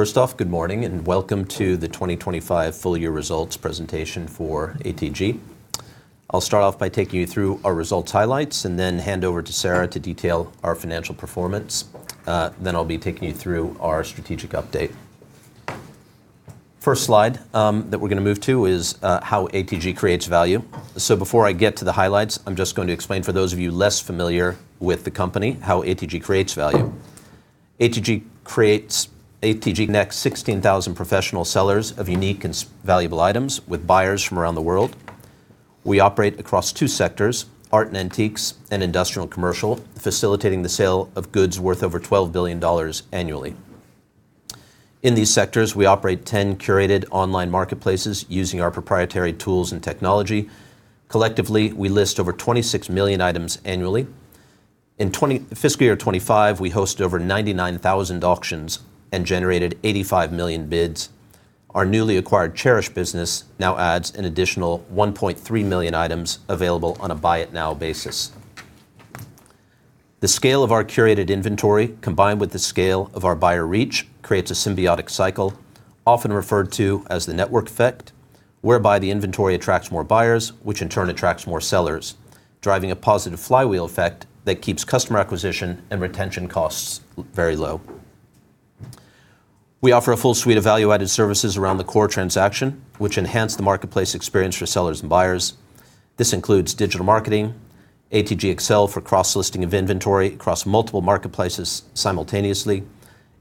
First off, good morning and welcome to the 2025 full-year results presentation for ATG. I'll start off by taking you through our results highlights and then hand over to Sarah to detail our financial performance. I'll be taking you through our strategic update. The first slide that we're going to move to is how ATG creates value. Before I get to the highlights, I'm just going to explain for those of you less familiar with the company how ATG creates value. ATG connects 16,000 professional sellers of unique and valuable items with buyers from around the world. We operate across two sectors: art and antiques and industrial and commercial, facilitating the sale of goods worth over $12 billion annually. In these sectors, we operate 10 curated online marketplaces using our proprietary tools and technology. Collectively, we list over 26 million items annually. In fiscal year 2025, we hosted over 99,000 auctions and generated 85 million bids. Our newly acquired Chairish business now adds an additional 1.3 million items available on a buy-it-now basis. The scale of our curated inventory, combined with the scale of our buyer reach, creates a symbiotic cycle, often referred to as the network effect, whereby the inventory attracts more buyers, which in turn attracts more sellers, driving a positive flywheel effect that keeps customer acquisition and retention costs very low. We offer a full suite of value-added services around the core transaction, which enhance the marketplace experience for sellers and buyers. This includes digital marketing, ATG Excel for cross-listing of inventory across multiple marketplaces simultaneously,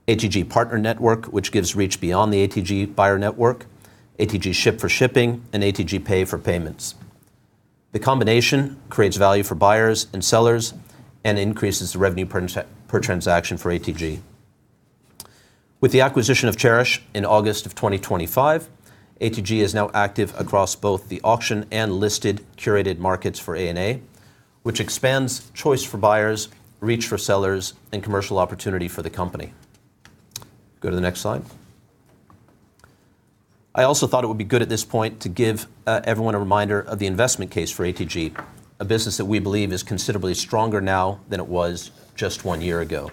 ATG Partner Network, which gives reach beyond the ATG buyer network, ATG Ship for shipping, and ATG Pay for payments. The combination creates value for buyers and sellers and increases the revenue per transaction for ATG. With the acquisition of Chairish in August of 2025, ATG is now active across both the auction and listed curated markets for A&A, which expands choice for buyers, reach for sellers, and commercial opportunity for the company. Go to the next slide. I also thought it would be good at this point to give everyone a reminder of the investment case for ATG, a business that we believe is considerably stronger now than it was just one year ago.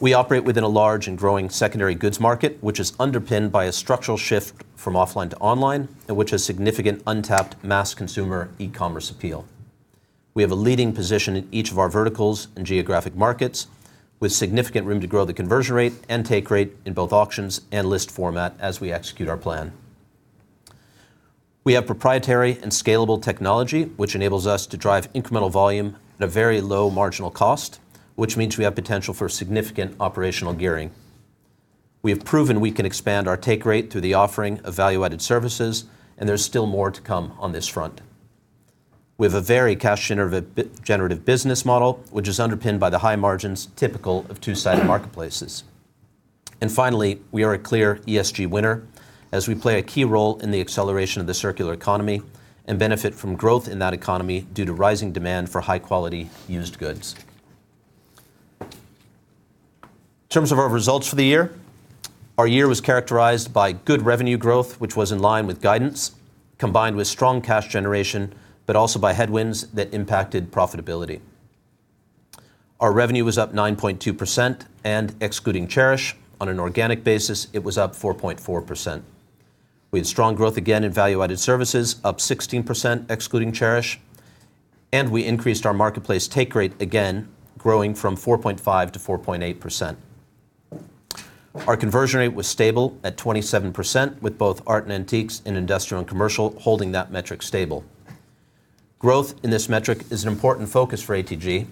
We operate within a large and growing secondary goods market, which is underpinned by a structural shift from offline to online and which has significant untapped mass consumer e-commerce appeal. We have a leading position in each of our verticals and geographic markets, with significant room to grow the conversion rate and take rate in both auctions and list format as we execute our plan. We have proprietary and scalable technology, which enables us to drive incremental volume at a very low marginal cost, which means we have potential for significant operational gearing. We have proven we can expand our take rate through the offering of value-added services, and there is still more to come on this front. We have a very cash-generative business model, which is underpinned by the high margins typical of two-sided marketplaces. Finally, we are a clear ESG winner as we play a key role in the acceleration of the circular economy and benefit from growth in that economy due to rising demand for high-quality used goods. In terms of our results for the year, our year was characterized by good revenue growth, which was in line with guidance, combined with strong cash generation, but also by headwinds that impacted profitability. Our revenue was up 9.2%, and excluding Chairish on an organic basis, it was up 4.4%. We had strong growth again in value-added services, up 16% excluding Chairish, and we increased our marketplace take rate again, growing from 4.5% to 4.8%. Our conversion rate was stable at 27%, with both art and antiques and industrial and commercial holding that metric stable. Growth in this metric is an important focus for ATG.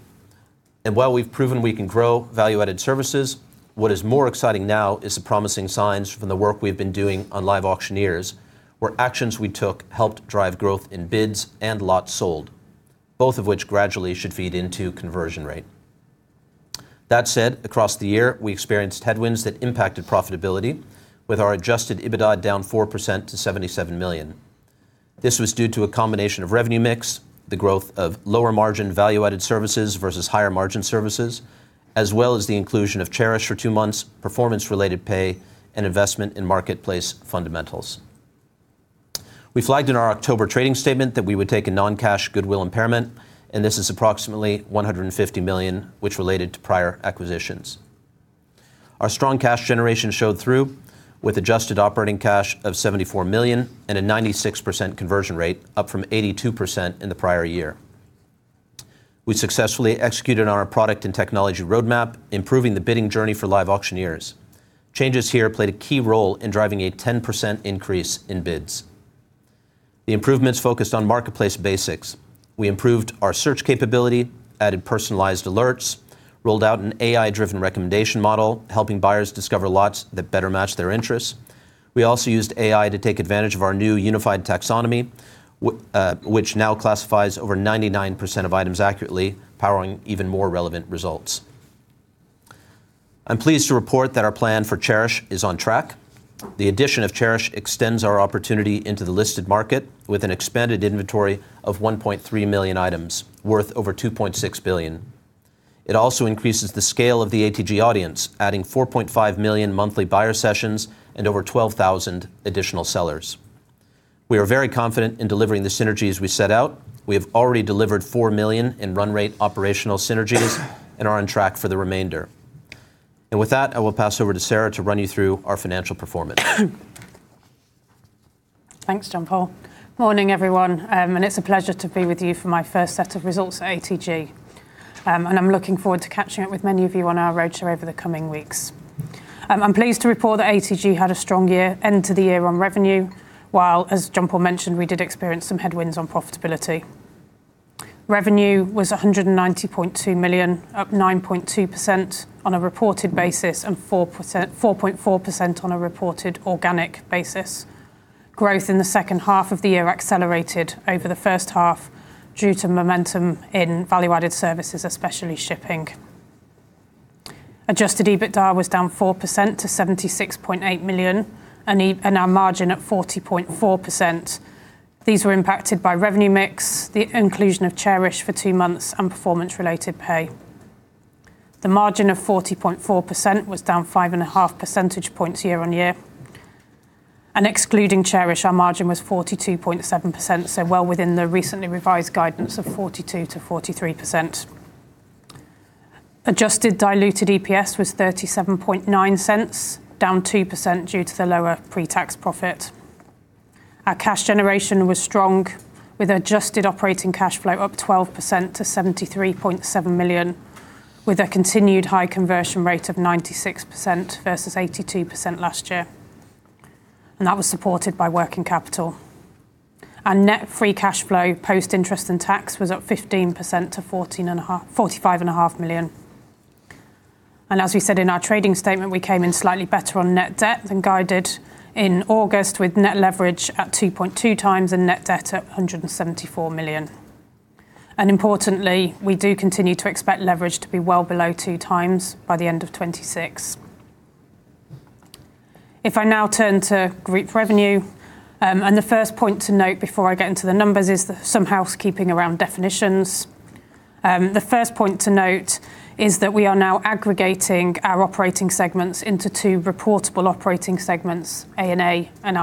While we've proven we can grow value-added services, what is more exciting now is the promising signs from the work we've been doing on LiveAuctioneers, where actions we took helped drive growth in bids and lots sold, both of which gradually should feed into conversion rate. That said, across the year, we experienced headwinds that impacted profitability, with our adjusted EBITDA down 4% to $77 million. This was due to a combination of revenue mix, the growth of lower-margin value-added services versus higher-margin services, as well as the inclusion of Chairish for two months, performance-related pay, and investment in marketplace fundamentals. We flagged in our October trading statement that we would take a non-cash goodwill impairment, and this is approximately $150 million, which related to prior acquisitions. Our strong cash generation showed through with adjusted operating cash of $74 million and a 96% conversion rate, up from 82% in the prior year. We successfully executed on our product and technology roadmap, improving the bidding journey for LiveAuctioneers. Changes here played a key role in driving a 10% rease in bids. The improvements focused on marketplace basics. We improved our search capability, added personalized alerts, rolled out an AI-driven recommendation model, helping buyers discover lots that better match their interests. We also used AI to take advantage of our new unified taxonomy, which now classifies over 99% of items accurately, powering even more relevant results. I'm pleased to report that our plan for Chairish is on track. The addition of Chairish extends our opportunity into the listed market with an expanded inventory of 1.3 million items worth over $2.6 billion. It also increases the scale of the ATG audience, adding 4.5 million monthly buyer sessions and over 12,000 additional sellers. We are very confident in delivering the synergies we set out. We have already delivered $4 million in run rate operational synergies and are on track for the remainder. With that, I will pass over to Sarah to run you through our financial performance. Thanks, John-Paul. Morning, everyone. It's a pleasure to be with you for my first set of results for ATG. I'm looking forward to catching up with many of you on our roadshow over the coming weeks. I'm pleased to report that ATG had a strong year end to the year on revenue, while, as John-Paul mentioned, we did experience some headwinds on profitability. Revenue was $190.2 million, up 9.2% on a reported basis and 4.4% on a reported organic basis. Growth in the second half of the year accelerated over the first half due to momentum in value-added services, especially shipping. Adjusted EBITDA was down 4% to $76.8 million and our margin at 40.4%. These were impacted by revenue mix, the inclusion of Chairish for two months, and performance-related pay. The margin of 40.4% was down 5.5 percentage points year on year. Excluding Chairish, our margin was 42.7%, well within the recently revised guidance of 42%-43%. Adjusted diluted EPS was $0.379, down 2% due to the lower pre-tax profit. Our cash generation was strong, with adjusted operating cash flow up 12% to $73.7 million, with a continued high conversion rate of 96% versus 82% last year. That was supported by working capital. Our net free cash flow post interest and tax was up 15% to $45.5 million. As we said in our trading statement, we came in slightly better on net debt than guided in August, with net leverage at 2.2 times and net debt at $174 million. Importantly, we do continue to expect leverage to be well below two times by the end of 2026. If I now turn to group revenue, the first point to note before I get into the numbers is some housekeeping around definitions. The first point to note is that we are now aggregating our operating segments into two reportable operating segments, A&A and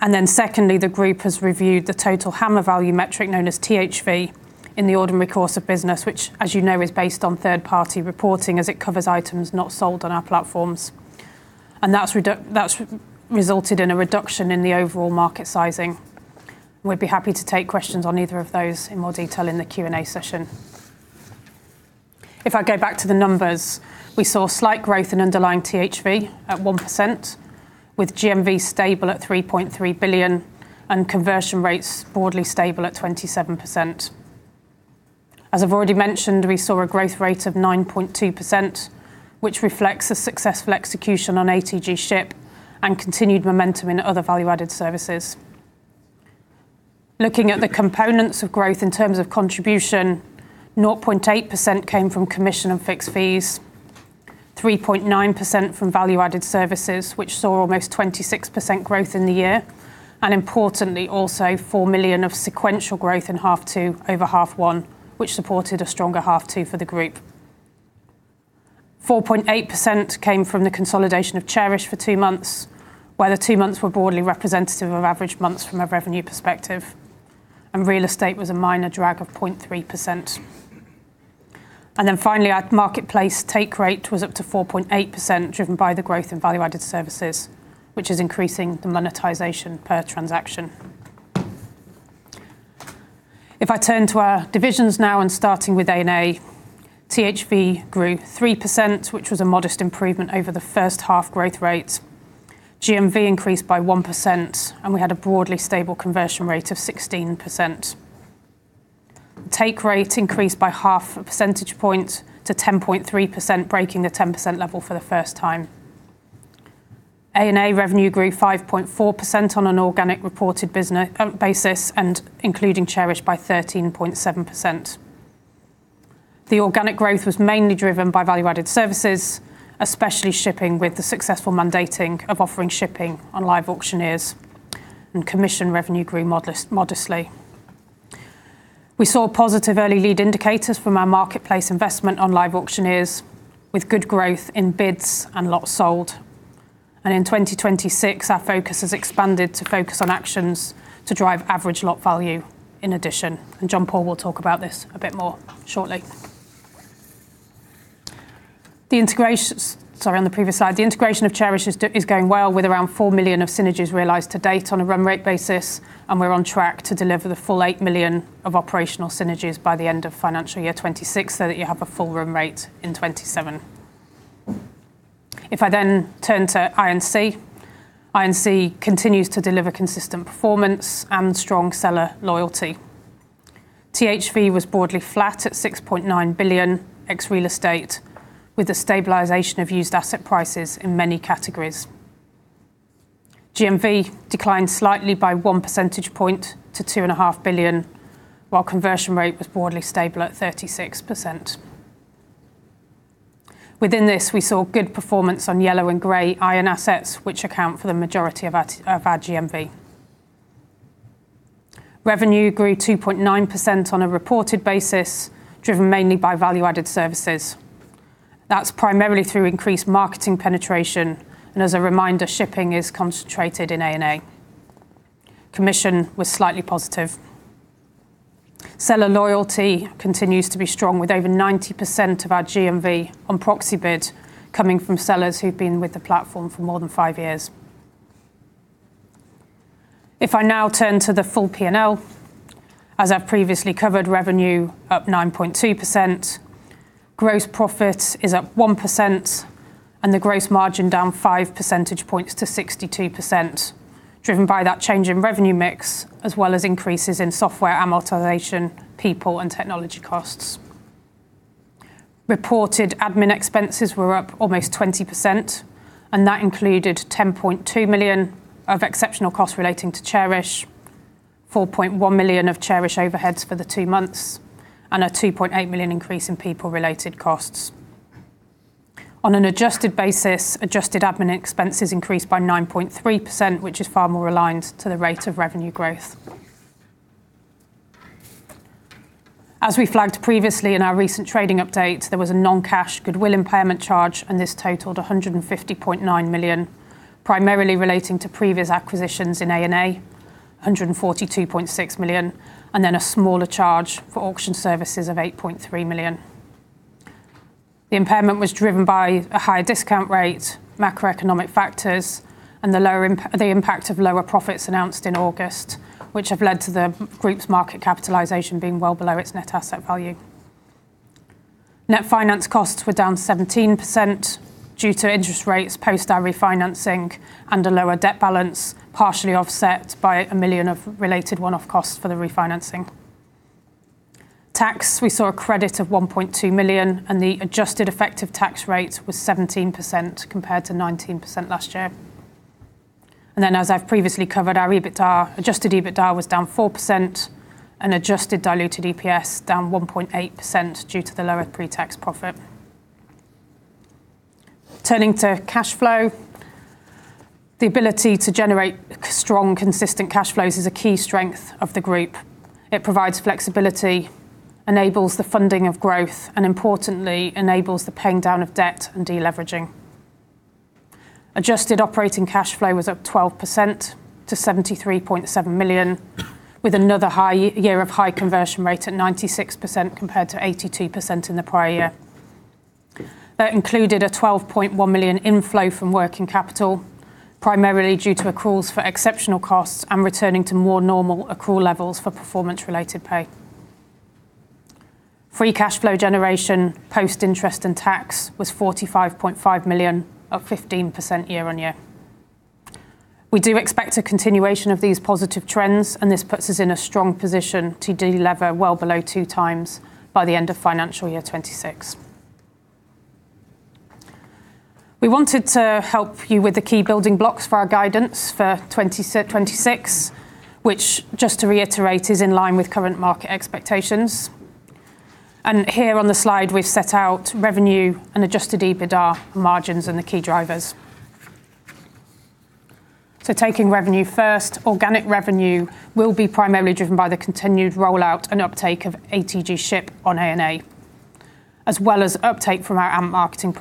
I&C. Secondly, the group has reviewed the total hammer value metric known as THV in the ordinary course of business, which, as you know, is based on third-party reporting as it covers items not sold on our platforms. That has resulted in a reduction in the overall market sizing. We'd be happy to take questions on either of those in more detail in the Q&A session. If I go back to the numbers, we saw slight growth in underlying THV at 1%, with GMV stable at $3.3 billion and conversion rates broadly stable at 27%. As I've already mentioned, we saw a growth rate of 9.2%, which reflects a successful execution on ATG Ship and continued momentum in other value-added services. Looking at the components of growth in terms of contribution, 0.8% came from commission and fixed fees, 3.9% from value-added services, which saw almost 26% growth in the year. Importantly, also $4 million of sequential growth in half two over half one, which supported a stronger half two for the group. 4.8% came from the consolidation of Chairish for two months, where the two months were broadly representative of average months from a revenue perspective. Real estate was a minor drag of 0.3%. Finally, our marketplace take rate was up to 4.8%, driven by the growth in value-added services, which is increasing the monetization per transaction. If I turn to our divisions now and starting with A&A, THV grew 3%, which was a modest improvement over the first half growth rates. GMV increased by 1%, and we had a broadly stable conversion rate of 16%. Take rate increased by half a percentage point to 10.3%, breaking the 10% level for the first time. A&A revenue grew 5.4% on an organic reported basis and including Chairish by 13.7%. The organic growth was mainly driven by value-added services, especially shipping, with the successful mandating of offering shipping on LiveAuctioneers. Commission revenue grew modestly. We saw positive early lead indicators from our marketplace investment on LiveAuctioneers, with good growth in bids and lots sold. In 2026, our focus has expanded to focus on actions to drive average lot value in addition. John-Paul will talk about this a bit more shortly. The integration—sorry, on the previous slide—the integration of Chairish is going well with around $4 million of synergies realized to date on a run rate basis. We are on track to deliver the full $8 million of operational synergies by the end of financial year 2026 so that you have a full run rate in 2027. If I then turn to I&C, I&C continues to deliver consistent performance and strong seller loyalty. THV was broadly flat at $6.9 billion ex real estate, with the stabilization of used asset prices in many categories. GMV declined slightly by 1 percentage point to $2.5 billion, while conversion rate was broadly stable at 36%. Within this, we saw good performance on yellow and gray iron assets, which account for the majority of our GMV. Revenue grew 2.9% on a reported basis, driven mainly by value-added services. That is primarily through Increased marketing penetration. As a reminder, shipping is concentrated in A&A. Commission was slightly positive. Seller loyalty continues to be strong, with over 90% of our GMV on Proxibid coming from sellers who have been with the platform for more than five years. If I now turn to the full P&L, as I have previously covered, revenue up 9.2%, gross profit is up 1%, and the gross margin down 5 percentage points to 62%, driven by that change in revenue mix as well as increases in software amortization, people, and technology costs. Reported admin expenses were up almost 20%, and that included $10.2 million of exceptional costs relating to Chairish, $4.1 million of Chairish overheads for the two months, and a $2.8 million increase in people-related costs. On an adjusted basis, adjusted admin expenses increased by 9.3%, which is far more aligned to the rate of revenue growth. As we flagged previously in our recent trading update, there was a non-cash goodwill impairment charge, and this totaled $150.9 million, primarily relating to previous acquisitions in A&A, $142.6 million, and then a smaller charge for auction services of $8.3 million. The impairment was driven by a higher discount rate, macroeconomic factors, and the impact of lower profits announced in August, which have led to the group's market capitalization being well below its net asset value. Net finance costs were down 17% due to interest rates post-refinancing and a lower debt balance, partially offset by $1 million of related one-off costs for the refinancing. Tax, we saw a credit of $1.2 million, and the adjusted effective tax rate was 17% compared to 19% last year. As I've previously covered, our adjusted EBITDA was down 4%, and adjusted diluted EPS down 1.8% due to the lower pre-tax profit. Turning to cash flow, the ability to generate strong, consistent cash flows is a key strength of the group. It provides flexibility, enables the funding of growth, and importantly, enables the paying down of debt and deleveraging. Adjusted operating cash flow was up 12% to $73.7 million, with another year of high conversion rate at 96% compared to 82% in the prior year. That included a $12.1 million inflow from working capital, primarily due to accruals for exceptional costs and returning to more normal accrual levels for performance-related pay. Free cash flow generation post interest and tax was $45.5 million, up 15% year on year. We do expect a continuation of these positive trends, and this puts us in a strong position to delever well below two times by the end of financial year 2026. We wanted to help you with the key building blocks for our guidance for 2026, which, just to reiterate, is in line with current market expectations. Here on the slide, we've set out revenue and adjusted EBITDA margins and the key drivers. Taking revenue first, organic revenue will be primarily driven by the continued rollout and uptake of ATG Ship on A&A, as well as uptake from our marketing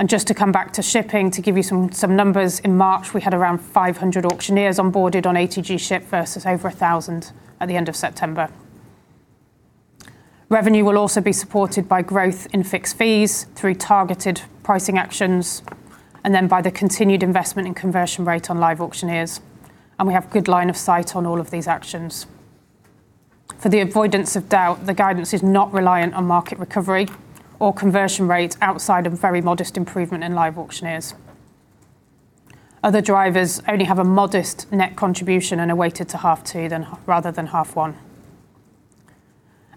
program. Just to come back to shipping, to give you some numbers, in March, we had around 500 auctioneers onboarded on ATG Ship versus over 1,000 at the end of September. Revenue will also be supported by growth in fixed fees through targeted pricing actions, and then by the continued investment in conversion rate on LiveAuctioneers. We have a good line of sight on all of these actions. For the avoidance of doubt, the guidance is not reliant on market recovery or conversion rate outside of very modest improvement in LiveAuctioneers. Other drivers only have a modest net contribution and are weighted to half two rather than half one.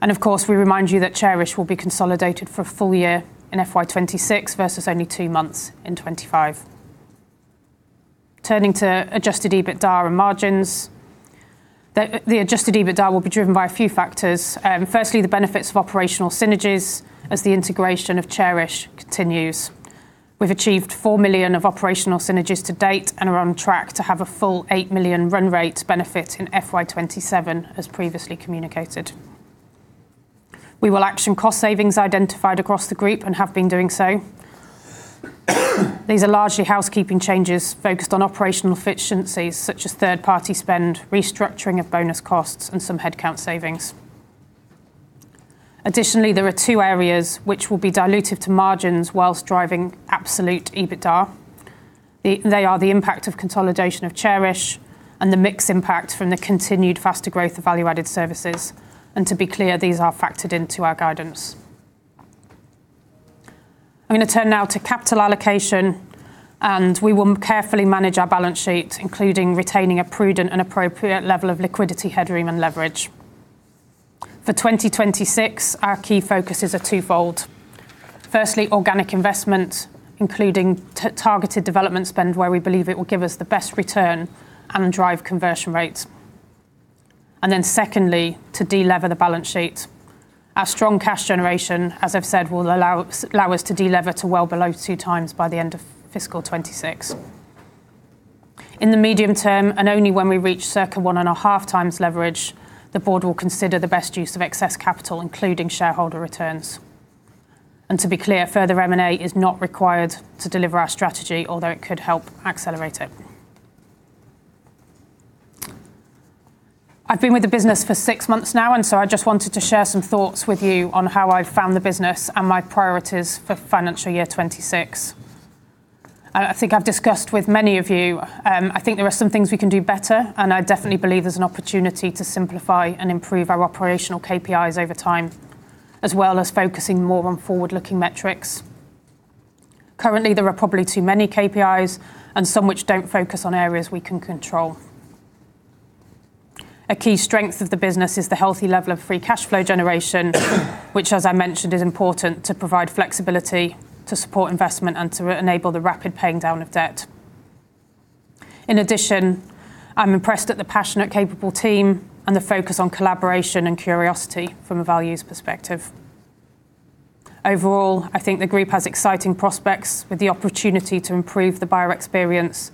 Of course, we remind you that Chairish will be consolidated for a full year in 2026 versus only two months in 2025. Turning to adjusted EBITDA and margins, the adjusted EBITDA will be driven by a few factors. Firstly, the benefits of operational synergies as the integration of Chairish continues. We have achieved $4 million of operational synergies to date and are on track to have a full $8 million run rate benefit in 2027, as previously communicated. We will action cost savings identified across the group and have been doing so. These are largely housekeeping changes focused on operational efficiencies such as third-party spend, restructuring of bonus costs, and some headcount savings. Additionally, there are two areas which will be diluted to margins whilst driving absolute EBITDA. They are the impact of consolidation of Chairish and the mixed impact from the continued faster growth of value-added services. To be clear, these are factored into our guidance. I'm going to turn now to capital allocation, and we will carefully manage our balance sheet, including retaining a prudent and appropriate level of liquidity, headroom, and leverage. For 2026, our key focuses are twofold. Firstly, organic investment, including targeted development spend, where we believe it will give us the best return and drive conversion rates. Secondly, to delever the balance sheet. Our strong cash generation, as I've said, will allow us to delever to well below two times by the end of fiscal 2026. In the medium term, and only when we reach circa one and a half times leverage, the board will consider the best use of excess capital, including shareholder returns. To be clear, further M&A is not required to deliver our strategy, although it could help accelerate it. I've been with the business for six months now, and so I just wanted to share some thoughts with you on how I've found the business and my priorities for financial year 2026. I think I've discussed with many of you. I think there are some things we can do better, and I definitely believe there's an opportunity to simplify and improve our operational KPIs over time, as well as focusing more on forward-looking metrics. Currently, there are probably too many KPIs and some which do not focus on areas we can control. A key strength of the business is the healthy level of free cash flow generation, which, as I mentioned, is important to provide flexibility, to support investment, and to enable the rapid paying down of debt. In addition, I'm impressed at the passionate, capable team and the focus on collaboration and curiosity from a values perspective. Overall, I think the group has exciting prospects with the opportunity to improve the buyer experience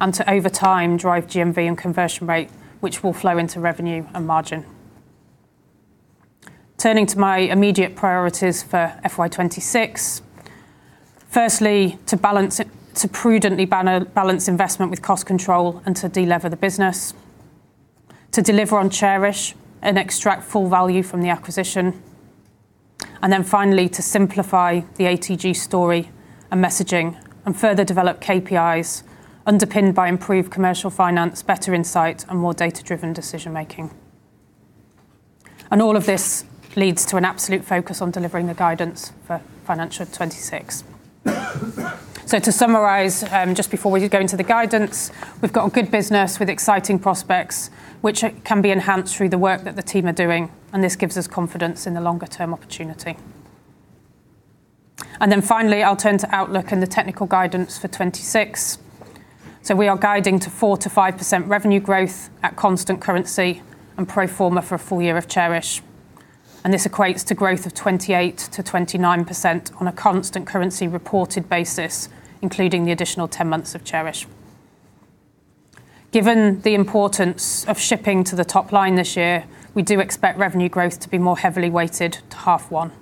and to over time drive GMV and conversion rate, which will flow into revenue and margin. Turning to my immediate priorities for FY2026, firstly, to prudently balance investment with cost control and to delever the business, to deliver on Chairish and extract full value from the acquisition, and then finally, to simplify the ATG story and messaging and further develop KPIs underpinned by improved commercial finance, better insight, and more data-driven decision-making. All of this leads to an absolute focus on delivering the guidance for financial 2026. To summarize, just before we go into the guidance, we've got a good business with exciting prospects, which can be enhanced through the work that the team are doing, and this gives us confidence in the longer-term opportunity. Finally, I'll turn to outlook and the technical guidance for 2026. We are guiding to 4%-5% revenue growth at constant currency and pro forma for a full year of Chairish. This equates to growth of 28%-29% on a constant currency reported basis, including the additional 10 months of Chairish. Given the importance of shipping to the top line this year, we do expect revenue growth to be more heavily weighted to half one.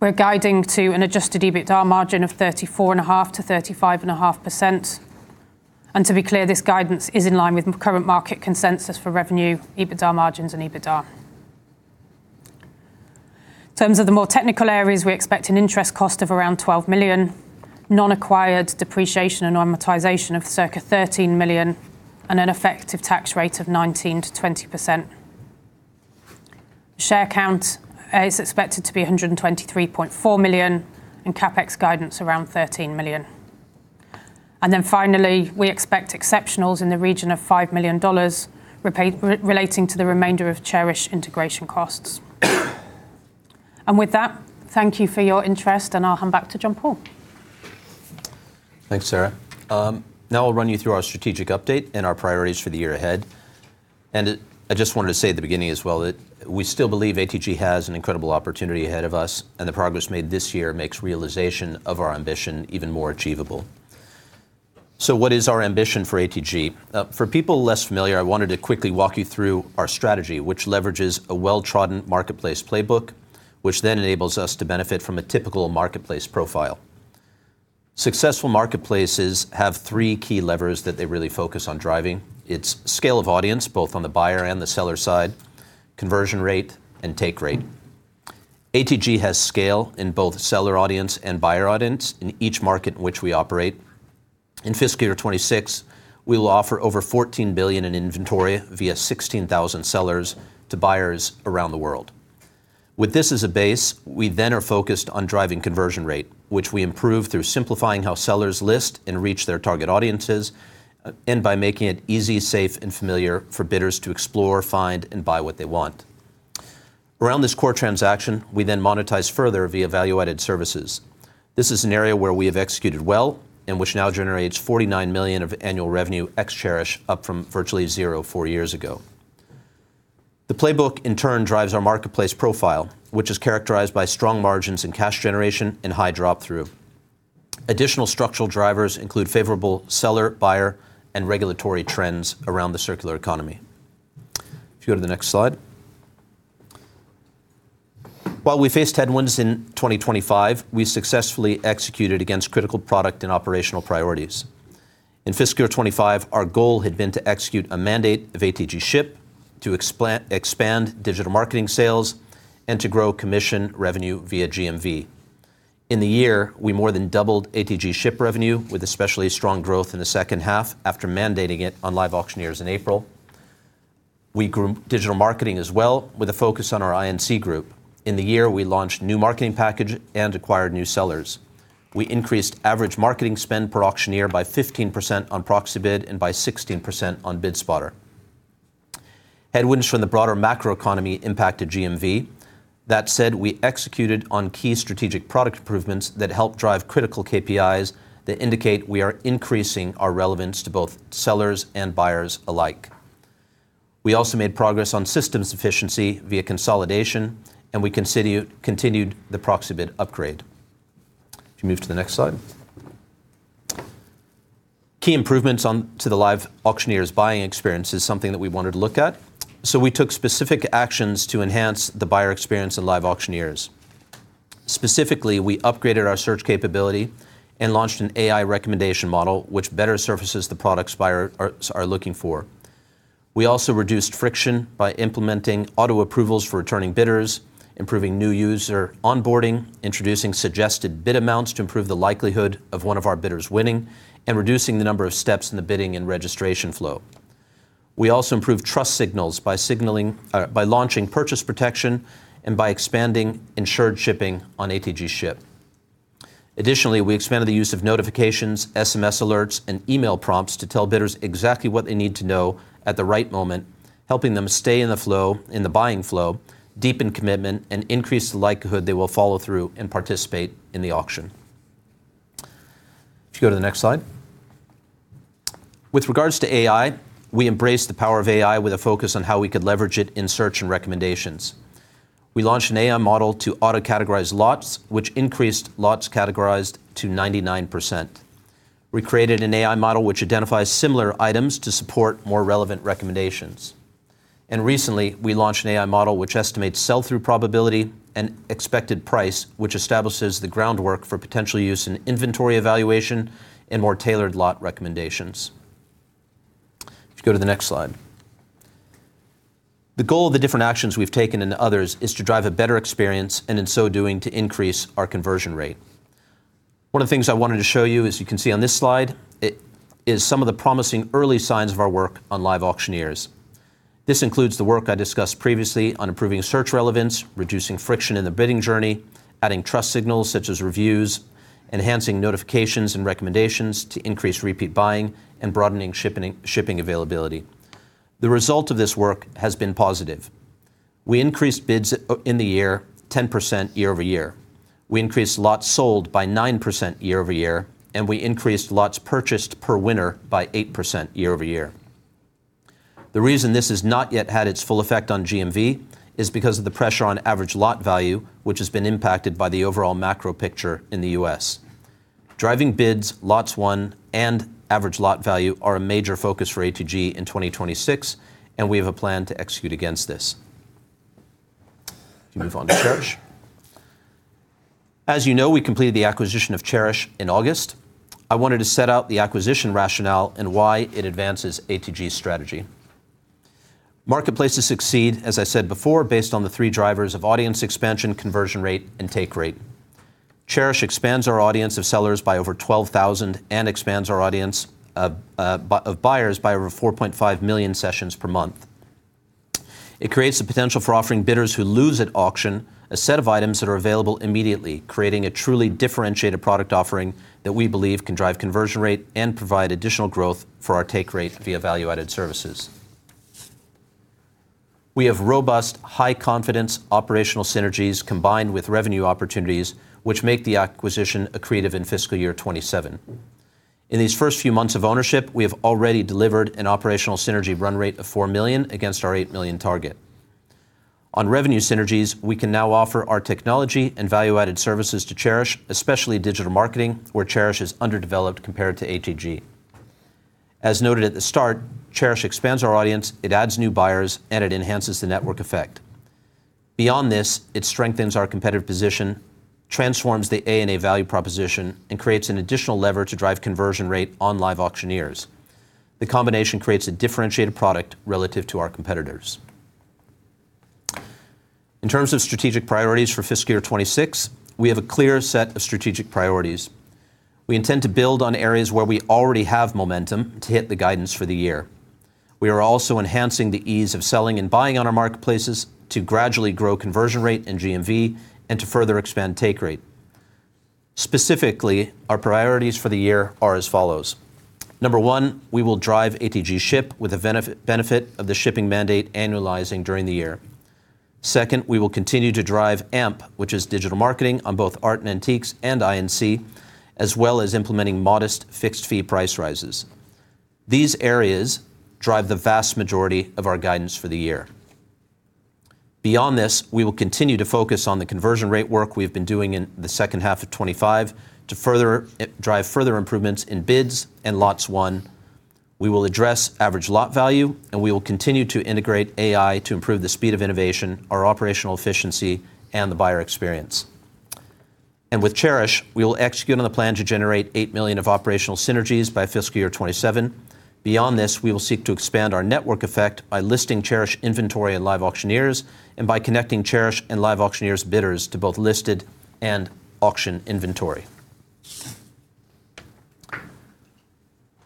We are guiding to an adjusted EBITDA margin of 34.5%-35.5%. To be clear, this guidance is in line with current market consensus for revenue, EBITDA margins, and EBITDA. In terms of the more technical areas, we expect an interest cost of around $12 million, non-acquired depreciation and amortization of circa $13 million, and an effective tax rate of 19%-20%. Share count is expected to be 123.4 million and CapEx guidance around $13 million. Finally, we expect exceptionals in the region of $5 million relating to the remainder of Chairish integration costs. Thank you for your interest, and I'll hand back to John-Paul. Thanks, Sarah. Now I'll run you through our strategic update and our priorities for the year ahead. I just wanted to say at the beginning as well that we still believe ATG has an incredible opportunity ahead of us, and the progress made this year makes realization of our ambition even more achievable. What is our ambition for ATG? For people less familiar, I wanted to quickly walk you through our strategy, which leverages a well-trodden marketplace playbook, which then enables us to benefit from a typical marketplace profile. Successful marketplaces have three key levers that they really focus on driving. It's scale of audience, both on the buyer and the seller side, conversion rate, and take rate. ATG has scale in both seller audience and buyer audience in each market in which we operate. In fiscal year 2026, we will offer over $14 billion in inventory via 16,000 sellers to buyers around the world. With this as a base, we then are focused on driving conversion rate, which we improve through simplifying how sellers list and reach their target audiences and by making it easy, safe, and familiar for bidders to explore, find, and buy what they want. Around this core transaction, we then monetize further via value-added services. This is an area where we have executed well and which now generates $49 million of annual revenue ex-Chairish, up from virtually zero four years ago. The playbook, in turn, drives our marketplace profile, which is characterized by strong margins in cash generation and high drop-through. Additional structural drivers include favorable seller, buyer, and regulatory trends around the circular economy. If you go to the next slide. While we faced headwinds in 2025, we successfully executed against critical product and operational priorities. In fiscal year 2025, our goal had been to execute a mandate of ATG Ship to expand digital marketing sales and to grow commission revenue via GMV. In the year, we more than doubled ATG Ship revenue with especially strong growth in the second half after mandating it on LiveAuctioneers in April. We grew digital marketing as well with a focus on our I&C group. In the year, we launched a new marketing package and acquired new sellers. We increased average marketing spend per auctioneer by 15% on Proxibid and by 16% on BidSpotter. Headwinds from the broader macro economy impacted GMV. That said, we executed on key strategic product improvements that help drive critical KPIs that indicate we are increasing our relevance to both sellers and buyers alike. We also made progress on systems efficiency via consolidation, and we continued the Proxibid upgrade. If you move to the next slide. Key improvements to the LiveAuctioneers' buying experience is something that we wanted to look at. We took specific actions to enhance the buyer experience in LiveAuctioneers. Specifically, we upgraded our search capability and launched an AI recommendation model, which better surfaces the products buyers are looking for. We also reduced friction by implementing auto approvals for returning bidders, improving new user onboarding, introducing suggested bid amounts to improve the likelihood of one of our bidders winning, and reducing the number of steps in the bidding and registration flow. We also improved trust signals by launching purchase protection and by expanding insured shipping on ATG Ship. Additionally, we expanded the use of notifications, SMS alerts, and email prompts to tell bidders exactly what they need to know at the right moment, helping them stay in the flow, in the buying flow, deepen commitment, and increase the likelihood they will follow through and participate in the auction. If you go to the next slide. With regards to AI, we embraced the power of AI with a focus on how we could leverage it in search and recommendations. We launched an AI model to auto-categorise lots, which increased lots categorised to 99%. We created an AI model which identifies similar items to support more relevant recommendations. Recently, we launched an AI model which estimates sell-through probability and expected price, which establishes the groundwork for potential use in inventory evaluation and more tailored lot recommendations. If you go to the next slide. The goal of the different actions we have taken and others is to drive a better experience and in so doing to increase our conversion rate. One of the things I wanted to show you, as you can see on this slide, is some of the promising early signs of our work on LiveAuctioneers. This includes the work I discussed previously on improving search relevance, reducing friction in the bidding journey, adding trust signals such as reviews, enhancing notifications and recommendations to increase repeat buying, and broadening shipping availability. The result of this work has been positive. We increased bids in the year 10% year over year. We increased lots sold by 9% year-over-year, and we increased lots purchased per winner by 8% year-over-year. The reason this has not yet had its full effect on GMV is because of the pressure on average lot value, which has been impacted by the overall macro picture in the U.S.. Driving bids, lots won, and average lot value are a major focus for ATG in 2026, and we have a plan to execute against this. If you move on to Chairish. As you know, we completed the acquisition of Chairish in August. I wanted to set out the acquisition rationale and why it advances ATG's strategy. Marketplaces succeed, as I said before, based on the three drivers of audience expansion, conversion rate, and take rate. Chairish expands our audience of sellers by over 12,000 and expands our audience of buyers by over 4.5 million sessions per month. It creates the potential for offering bidders who lose at auction a set of items that are available immediately, creating a truly differentiated product offering that we believe can drive conversion rate and provide additional growth for our take rate via value-added services. We have robust, high-confidence operational synergies combined with revenue opportunities, which make the acquisition accretive in fiscal year 2027. In these first few months of ownership, we have already delivered an operational synergy run rate of $4 million against our $8 million target. On revenue synergies, we can now offer our technology and value-added services to Chairish, especially digital marketing, where Chairish is underdeveloped compared to ATG. As noted at the start, Chairish expands our audience, it adds new buyers, and it enhances the network effect. Beyond this, it strengthens our competitive position, transforms the A&A value proposition, and creates an additional lever to drive conversion rate on LiveAuctioneers. The combination creates a differentiated product relative to our competitors. In terms of strategic priorities for fiscal year 2026, we have a clear set of strategic priorities. We intend to build on areas where we already have momentum to hit the guidance for the year. We are also enhancing the ease of selling and buying on our marketplaces to gradually grow conversion rate and GMV and to further expand take rate. Specifically, our priorities for the year are as follows. Number one, we will drive ATG Ship with the benefit of the shipping mandate annualising during the year. Second, we will continue to drive atgAMP, which is digital marketing on both art and antiques and I&C, as well as implementing modest fixed-fee price rises. These areas drive the vast majority of our guidance for the year. Beyond this, we will continue to focus on the conversion rate work we have been doing in the second half of 2025 to drive further improvements in bids and lots won. We will address average lot value, and we will continue to integrate AI to improve the speed of innovation, our operational efficiency, and the buyer experience. With Chairish, we will execute on the plan to generate $8 million of operational synergies by fiscal year 2027. Beyond this, we will seek to expand our network effect by listing Chairish inventory in LiveAuctioneers and by connecting Chairish and LiveAuctioneers' bidders to both listed and auction inventory.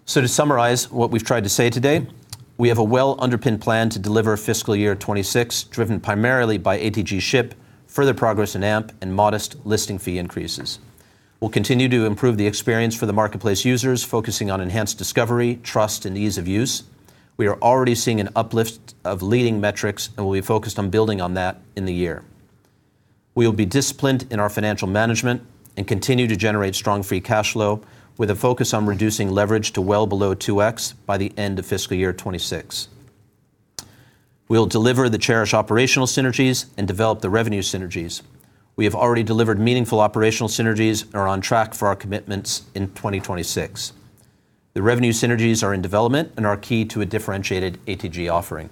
To summarise what we've tried to say today, we have a well-underpinned plan to deliver fiscal year 2026, driven primarily by ATG Ship, further progress in atgAMP, and modest listing fee increases. We'll continue to improve the experience for the marketplace users, focusing on enhanced discovery, trust, and ease of use. We are already seeing an uplift of leading metrics, and we'll be focused on building on that in the year. We will be disciplined in our financial management and continue to generate strong free cash flow with a focus on reducing leverage to well below 2x by the end of fiscal year 2026. We'll deliver the Chairish operational synergies and develop the revenue synergies. We have already delivered meaningful operational synergies and are on track for our commitments in 2026. The revenue synergies are in development and are key to a differentiated ATG offering.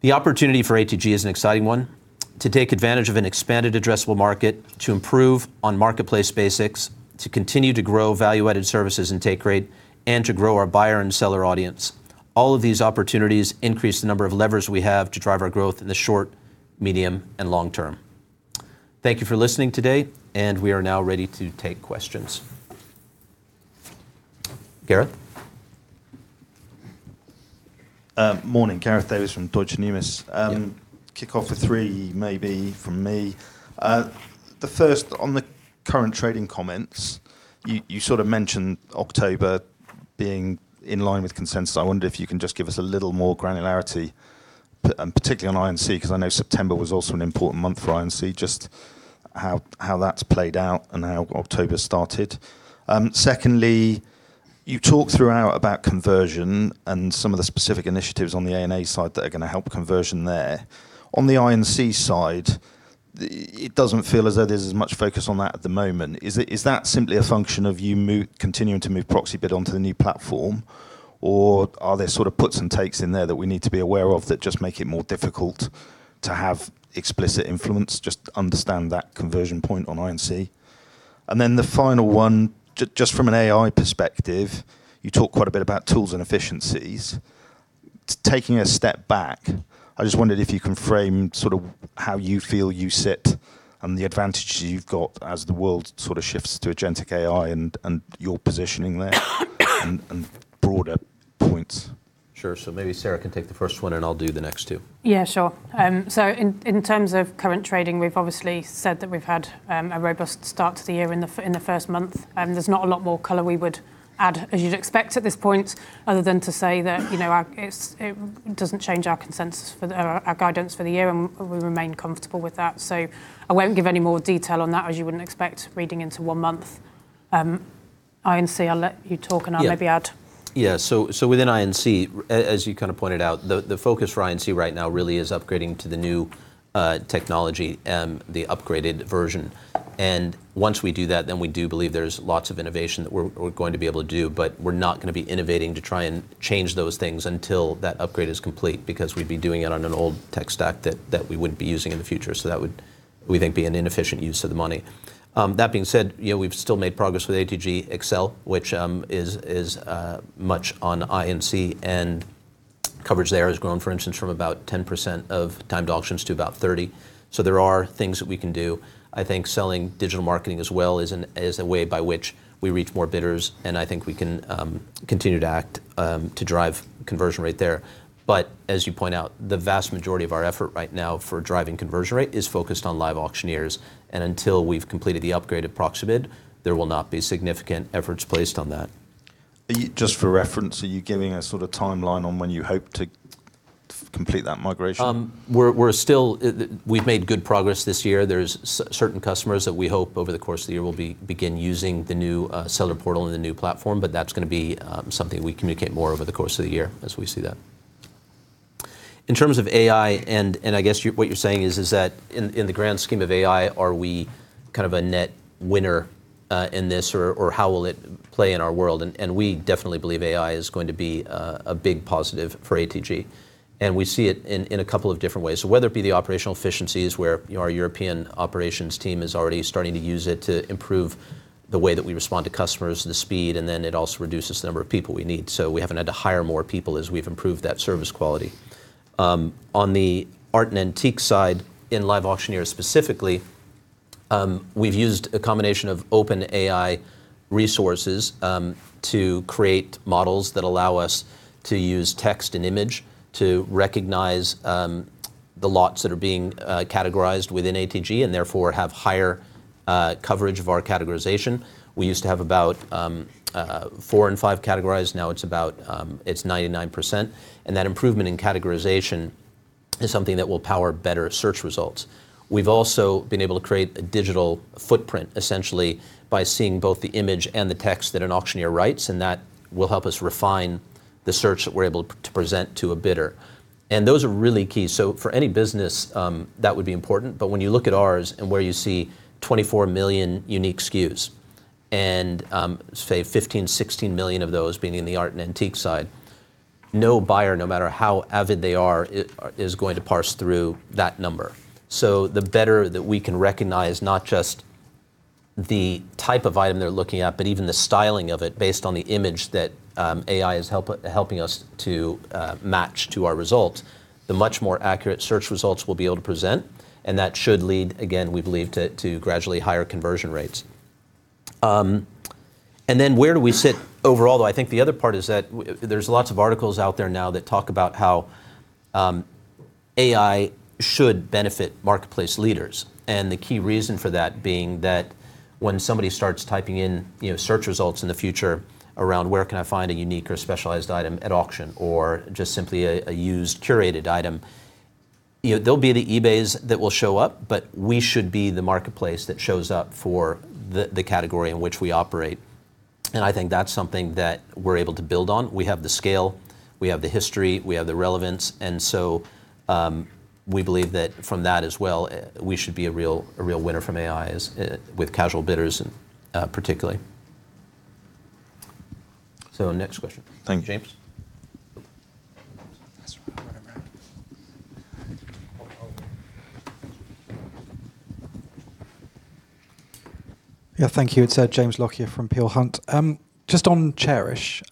The opportunity for ATG is an exciting one to take advantage of an expanded addressable market, to improve on marketplace basics, to continue to grow value-added services and take rate, and to grow our buyer and seller audience. All of these opportunities increase the number of levers we have to drive our growth in the short, medium, and long term. Thank you for listening today, and we are now ready to take questions. Gareth. Morning, Gareth Davies from Deutsche Numis. Kick off with three, maybe, from me. The first, on the current trading comments, you sort of mentioned October being in line with consensus. I wondered if you can just give us a little more granularity, particularly on I&C, because I know September was also an important month for I&C, just how that's played out and how October started. Secondly, you talk throughout about conversion and some of the specific initiatives on the A&A side that are going to help conversion there. On the I&C side, it does not feel as though there is as much focus on that at the moment. Is that simply a function of you continuing to move Proxibid onto the new platform, or are there sort of puts and takes in there that we need to be aware of that just make it more difficult to have explicit influence, just understand that conversion point on I&C? The final one, just from an AI perspective, you talk quite a bit about tools and efficiencies. Taking a step back, I just wondered if you can frame sort of how you feel you sit and the advantages you've got as the world sort of shifts to agentic AI and your positioning there and broader points. Sure. Maybe Sarah can take the first one, and I'll do the next two. Yeah, sure. In terms of current trading, we've obviously said that we've had a robust start to the year in the first month. There's not a lot more color we would add, as you'd expect at this point, other than to say that it doesn't change our consensus for our guidance for the year, and we remain comfortable with that. I won't give any more detail on that, as you wouldn't expect reading into one month. I'll let you talk, and I'll maybe add. Yeah. Within I&C, as you kind of pointed out, the focus for I&C right now really is upgrading to the new technology and the upgraded version. Once we do that, then we do believe there's lots of innovation that we're going to be able to do, but we're not going to be innovating to try and change those things until that upgrade is complete because we'd be doing it on an old tech stack that we wouldn't be using in the future. That would, we think, be an inefficient use of the money. That being said, we've still made progress with ATG Excel, which is much on I&C, and coverage there has grown, for instance, from about 10% of timed auctions to about 30%. There are things that we can do. I think selling digital marketing as well is a way by which we reach more bidders, and I think we can continue to act to drive conversion rate there. As you point out, the vast majority of our effort right now for driving conversion rate is focused on LiveAuctioneers, and until we've completed the upgrade of Proxibid, there will not be significant efforts placed on that. Just for reference, are you giving a sort of timeline on when you hope to complete that migration? We've made good progress this year. There are certain customers that we hope over the course of the year will begin using the new seller portal and the new platform, but that's going to be something we communicate more over the course of the year as we see that. In terms of AI, and I guess what you're saying is that in the grand scheme of AI, are we kind of a net winner in this, or how will it play in our world? We definitely believe AI is going to be a big positive for ATG, and we see it in a couple of different ways. Whether it be the operational efficiencies where our European operations team is already starting to use it to improve the way that we respond to customers, the speed, and then it also reduces the number of people we need. We haven't had to hire more people as we've improved that service quality. On the art and antique side, in LiveAuctioneers specifically, we've used a combination of OpenAI resources to create models that allow us to use text and image to recognize the lots that are being categorized within ATG and therefore have higher coverage of our categorization. We used to have about four and five categorized. Now it's about 99%, and that improvement in categorization is something that will power better search results. We've also been able to create a digital footprint essentially by seeing both the image and the text that an auctioneer writes, and that will help us refine the search that we're able to present to a bidder. Those are really key. For any business, that would be important, but when you look at ours and where you see 24 million unique SKUs and say 15-16 million of those being in the art and antique side, no buyer, no matter how avid they are, is going to parse through that number. The better that we can recognize not just the type of item they're looking at, but even the styling of it based on the image that AI is helping us to match to our results, the much more accurate search results we'll be able to present, and that should lead, again, we believe, to gradually higher conversion rates. Where do we sit overall, though? I think the other part is that there's lots of articles out there now that talk about how AI should benefit marketplace leaders, and the key reason for that being that when somebody starts typing in search results in the future around, "Where can I find a unique or specialised item at auction?" or just simply a used curated item, there'll be the eBays that will show up, but we should be the marketplace that shows up for the category in which we operate. I think that's something that we're able to build on. We have the scale, we have the history, we have the relevance, and so we believe that from that as well, we should be a real winner from AI with casual bidders particularly. Next question. Thank you, James. Yeah, thank you. It's James Lockyer here from Peel Hunt. Just on Chairish,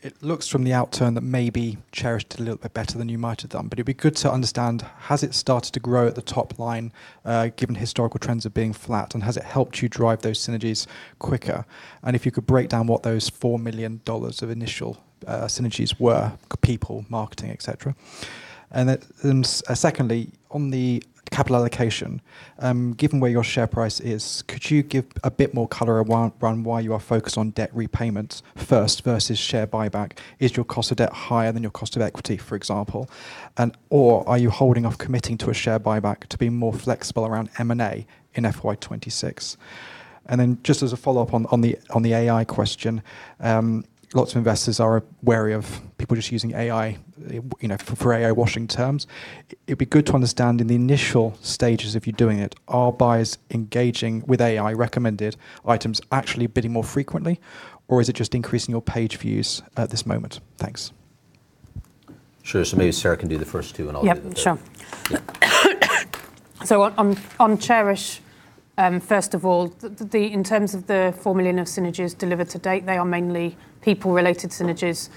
it looks from the outturn that maybe Chairish did a little bit better than you might have done, but it'd be good to understand, has it started to grow at the top line given historical trends of being flat, and has it helped you drive those synergies quicker? If you could break down what those $4 million of initial synergies were, people, marketing, etc. Secondly, on the capital allocation, given where your share price is, could you give a bit more color around why you are focused on debt repayments first versus share buyback? Is your cost of debt higher than your cost of equity, for example? Are you holding off committing to a share buyback to be more flexible around M&A in FY2026? Just as a follow-up on the AI question, lots of investors are wary of people just using AI for AI washing terms. It'd be good to understand in the initial stages of you doing it, are buyers engaging with AI-recommended items actually bidding more frequently, or is it just increasing your page views at this moment? Thanks. Sure. Maybe Sarah can do the first two, and I'll do the second. Yeah, sure. On Chairish, first of all, in terms of the $4 million of synergies delivered to date, they are mainly people-related synergies,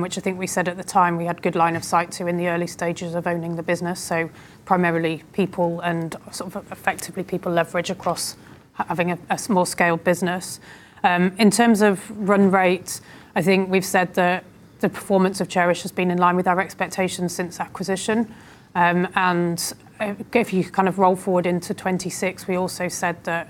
which I think we said at the time we had good line of sight to in the early stages of owning the business. Primarily people and sort of effectively people leverage across having a small-scale business. In terms of run rate, I think we've said that the performance of Chairish has been in line with our expectations since acquisition. If you kind of roll forward into 2026, we also said that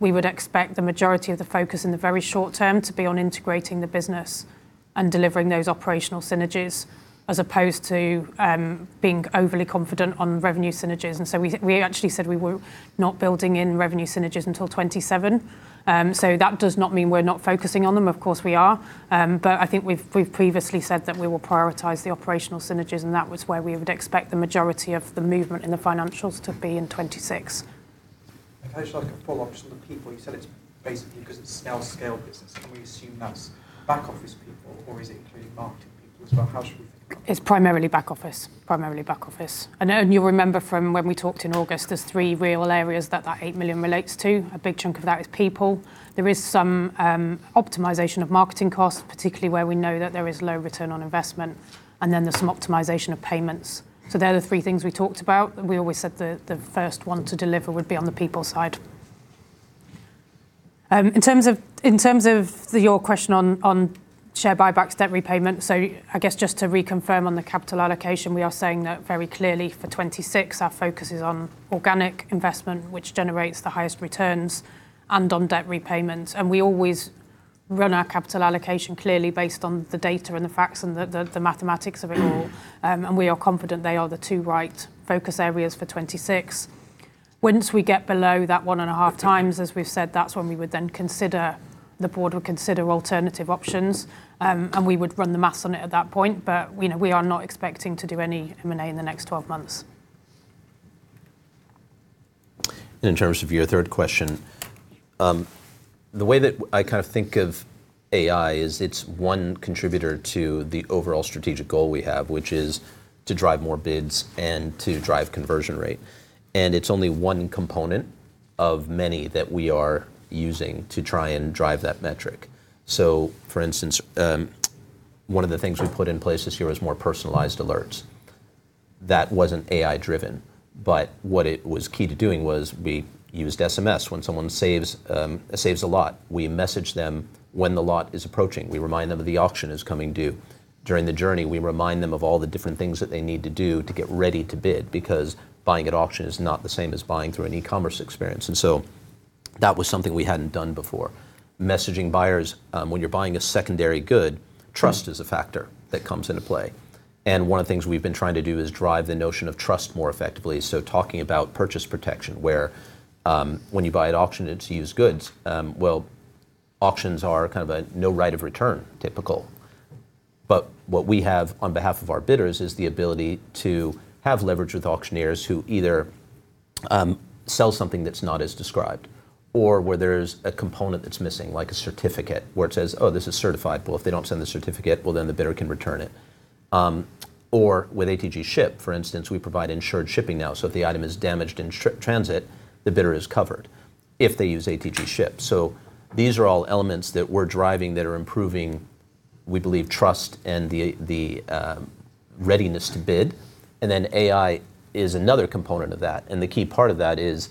we would expect the majority of the focus in the very short term to be on integrating the business and delivering those operational synergies as opposed to being overly confident on revenue synergies. We actually said we were not building in revenue synergies until 2027. That does not mean we're not focusing on them. Of course, we are. I think we've previously said that we will prioritize the operational synergies, and that was where we would expect the majority of the movement in the financials to be in 2026. If I just like a follow-up on the people, you said it's basically because it's now a scaled business. Can we assume that's back office people, or is it including marketing people as well? How should we think about it? It's primarily back office, primarily back office. You will remember from when we talked in August, there are three real areas that that $8 million relates to. A big chunk of that is people. There is some optimization of marketing costs, particularly where we know that there is low return on investment, and then there is some optimization of payments. They are the three things we talked about. We always said the first one to deliver would be on the people side. In terms of your question on share buybacks, debt repayment, I guess just to reconfirm on the capital allocation, we are saying that very clearly for 2026, our focus is on organic investment, which generates the highest returns, and on debt repayments. We always run our capital allocation clearly based on the data and the facts and the mathematics of it all, and we are confident they are the two right focus areas for 2026. Once we get below that one and a half times, as we've said, that's when we would then consider, the board would consider alternative options, and we would run the maths on it at that point, but we are not expecting to do any M&A in the next 12 months. In terms of your third question, the way that I kind of think of AI is it's one contributor to the overall strategic goal we have, which is to drive more bids and to drive conversion rate. It's only one component of many that we are using to try and drive that metric. For instance, one of the things we put in place this year was more personalised alerts. That was not AI-driven, but what it was key to doing was we used SMS. When someone saves a lot, we message them when the lot is approaching. We remind them that the auction is coming due. During the journey, we remind them of all the different things that they need to do to get ready to bid because buying at auction is not the same as buying through an e-commerce experience. That was something we had not done before. Messaging buyers, when you are buying a secondary good, trust is a factor that comes into play. One of the things we have been trying to do is drive the notion of trust more effectively. Talking about purchase protection, where when you buy at auction, it's used goods, auctions are kind of a no right of return typical. What we have on behalf of our bidders is the ability to have leverage with auctioneers who either sell something that's not as described or where there's a component that's missing, like a certificate where it says, "Oh, this is certified," but if they don't send the certificate, the bidder can return it. With ATG Ship, for instance, we provide insured shipping now. If the item is damaged in transit, the bidder is covered if they use ATG Ship. These are all elements that we're driving that are improving, we believe, trust and the readiness to bid. AI is another component of that. The key part of that is,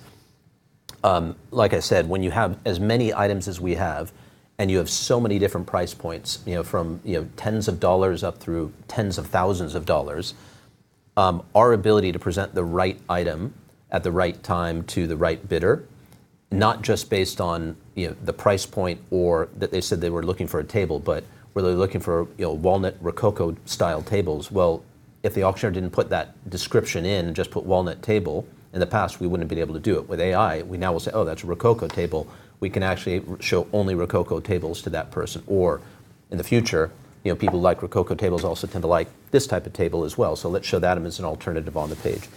like I said, when you have as many items as we have and you have so many different price points from tens of dollars up through tens of thousands of dollars, our ability to present the right item at the right time to the right bidder, not just based on the price point or that they said they were looking for a table, but were they looking for walnut rococo style tables? If the auctioneer did not put that description in and just put walnut table, in the past, we would not have been able to do it. With AI, we now will say, "Oh, that is a rococo table." We can actually show only rococo tables to that person. In the future, people who like rococo tables also tend to like this type of table as well. Let's show that as an alternative on the page.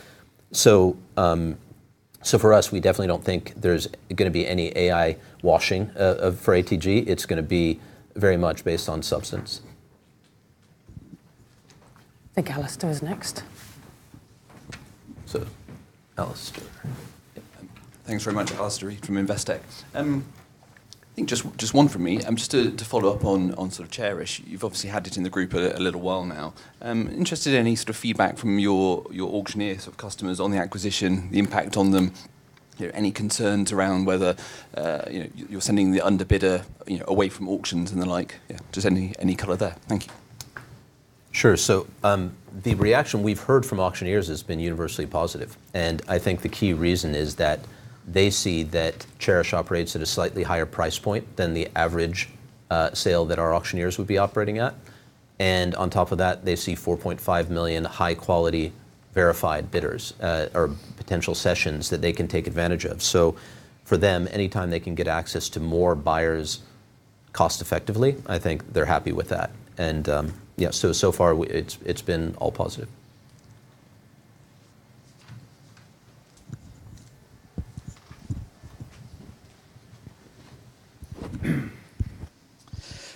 For us, we definitely don't think there's going to be any AI washing for ATG. It's going to be very much based on substance. Thank you, Alastair is next. Thank you very much, Alastair from Investec. I think just one from me. Just to follow up on sort of Chairish, you've obviously had it in the group a little while now. Interested in any sort of feedback from your auctioneer sort of customers on the acquisition, the impact on them, any concerns around whether you're sending the under bidder away from auctions and the like. Yeah, just any color there. Thank you. Sure. The reaction we've heard from auctioneers has been universally positive. I think the key reason is that they see that Chairish operates at a slightly higher price point than the average sale that our auctioneers would be operating at. On top of that, they see 4.5 million high-quality verified bidders or potential sessions that they can take advantage of. For them, anytime they can get access to more buyers cost-effectively, I think they're happy with that. Yeah, so far, it's been all positive.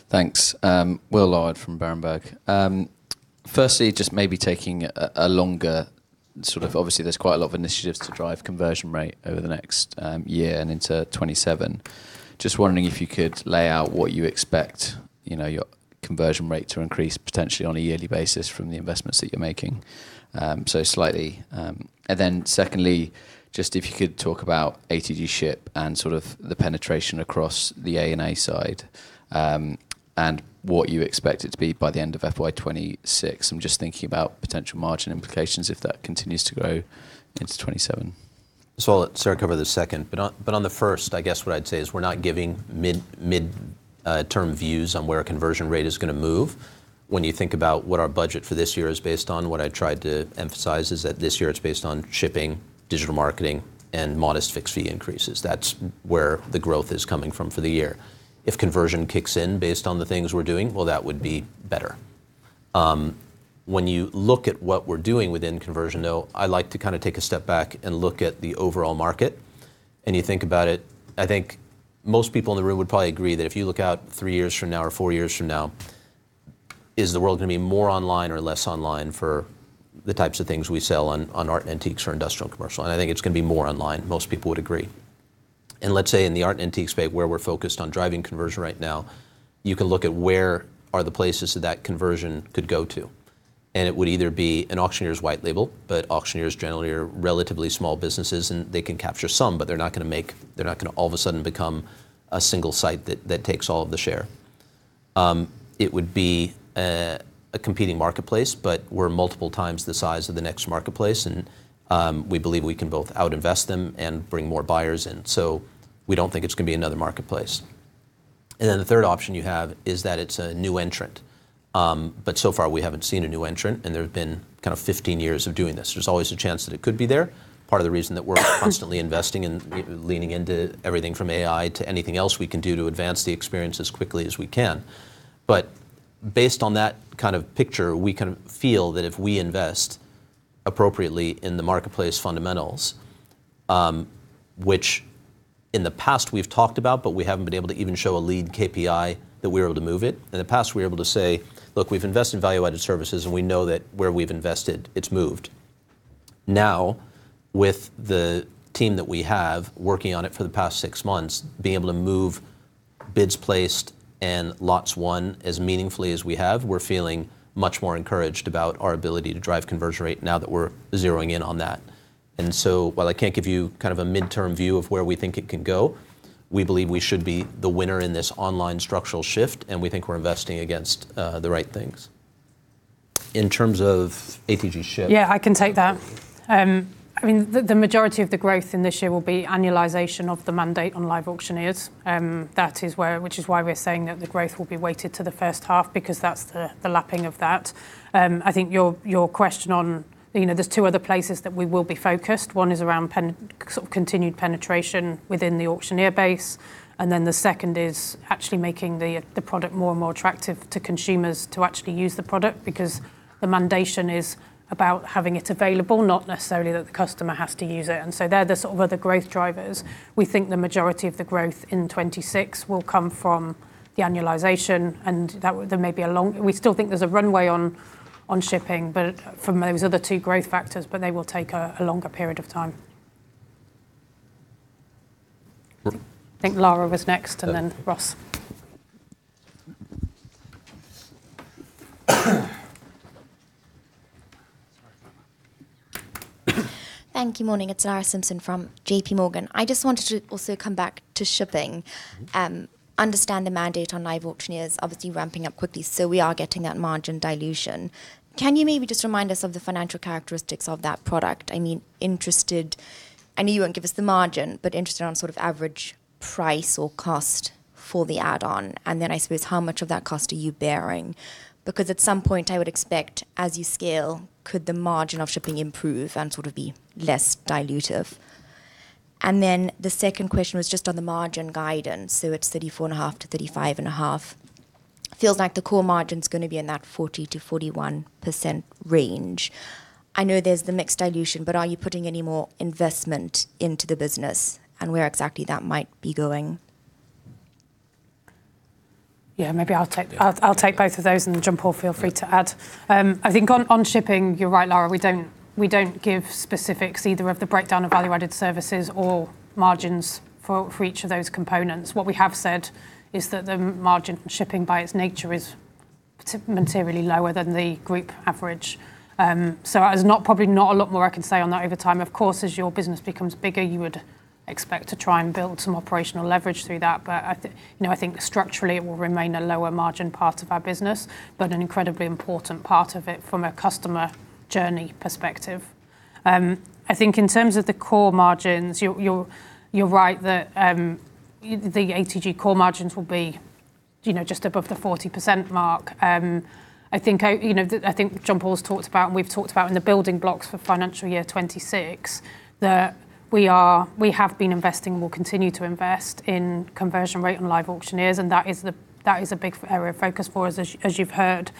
Thanks. Will Lloyd from Berenberg. Firstly, just maybe taking a longer sort of, obviously, there's quite a lot of initiatives to drive conversion rate over the next year and into 2027. Just wondering if you could lay out what you expect your conversion rate to increase potentially on a yearly basis from the investments that you're making. So slightly. If you could talk about ATG Ship and sort of the penetration across the A&A side and what you expect it to be by the end of FY 2026. I am just thinking about potential margin implications if that continues to grow into 2027. I will let Sarah cover the second. On the first, I guess what I would say is we are not giving mid-term views on where a conversion rate is going to move. When you think about what our budget for this year is based on, what I tried to emphasize is that this year it is based on shipping, digital marketing, and modest fixed fee increases. That is where the growth is coming from for the year. If conversion kicks in based on the things we are doing, that would be better. When you look at what we're doing within conversion, though, I like to kind of take a step back and look at the overall market. You think about it, I think most people in the room would probably agree that if you look out three years from now or four years from now, is the world going to be more online or less online for the types of things we sell on art and antiques or industrial and commercial? I think it's going to be more online. Most people would agree. Let's say in the art and antiques space, where we're focused on driving conversion right now, you can look at where are the places that that conversion could go to. It would either be an auctioneer's white label, but auctioneers generally are relatively small businesses, and they can capture some, but they're not going to make, they're not going to all of a sudden become a single site that takes all of the share. It would be a competing marketplace, but we're multiple times the size of the next marketplace, and we believe we can both out-invest them and bring more buyers in. We do not think it's going to be another marketplace. The third option you have is that it's a new entrant. So far, we haven't seen a new entrant, and there have been kind of 15 years of doing this. There's always a chance that it could be there. Part of the reason that we're constantly investing and leaning into everything from AI to anything else we can do to advance the experience as quickly as we can. Based on that kind of picture, we kind of feel that if we invest appropriately in the marketplace fundamentals, which in the past we've talked about, but we haven't been able to even show a lead KPI that we were able to move it. In the past, we were able to say, "Look, we've invested in value-added services, and we know that where we've invested, it's moved." Now, with the team that we have working on it for the past six months, being able to move bids placed and lots won as meaningfully as we have, we're feeling much more encouraged about our ability to drive conversion rate now that we're zeroing in on that. While I can't give you kind of a midterm view of where we think it can go, we believe we should be the winner in this online structural shift, and we think we're investing against the right things. In terms of ATG Ship. Yeah, I can take that. I mean, the majority of the growth in this year will be annualisation of the mandate on LiveAuctioneers. That is where, which is why we're saying that the growth will be weighted to the first half because that's the lapping of that. I think your question on, there's two other places that we will be focused. One is around sort of continued penetration within the auctioneer base. The second is actually making the product more and more attractive to consumers to actually use the product because the mandation is about having it available, not necessarily that the customer has to use it. They are the sort of other growth drivers. We think the majority of the growth in 2026 will come from the annualisation, and there may be a long, we still think there is a runway on shipping, but from those other two growth factors, but they will take a longer period of time. I think Lara was next, and then Ross. Thank you. Morning. It is Lara Simpson from JPMorgan. I just wanted to also come back to shipping. Understand the mandate on LiveAuctioneers obviously ramping up quickly, so we are getting that margin dilution. Can you maybe just remind us of the financial characteristics of that product? I mean, interested, I know you won't give us the margin, but interested on sort of average price or cost for the add-on. And then I suppose how much of that cost are you bearing? Because at some point I would expect as you scale, could the margin of shipping improve and sort of be less dilutive? The second question was just on the margin guidance. So it's 34.5-35.5. Feels like the core margin's going to be in that 40-41% range. I know there's the mixed dilution, but are you putting any more investment into the business and where exactly that might be going? Yeah, maybe I'll take both of those and then jump off. Feel free to add. I think on shipping, you're right, Lara. We don't give specifics either of the breakdown of value-added services or margins for each of those components. What we have said is that the margin shipping by its nature is materially lower than the group average. There is probably not a lot more I can say on that over time. Of course, as your business becomes bigger, you would expect to try and build some operational leverage through that. I think structurally it will remain a lower margin part of our business, but an incredibly important part of it from a customer journey perspective. I think in terms of the core margins, you are right that the ATG core margins will be just above the 40% mark. I think John-Paul has talked about, and we have talked about in the building blocks for financial year 2026, that we have been investing and will continue to invest in conversion rate on LiveAuctioneers, and that is a big area of focus for us, as you have heard.